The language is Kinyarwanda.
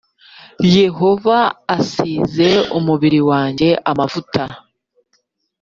yehova asize umubiri wanjye amavuta